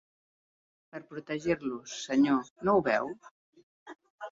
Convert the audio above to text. Per protegir-los, senyor, no ho veu?